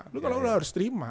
lo kalau udah harus terima